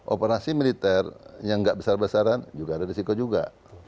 operasi militer yang nggak besar besaran juga ada risiko juga